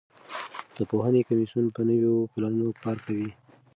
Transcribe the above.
د پوهنې کمیسیون په نویو پلانونو کار کوي.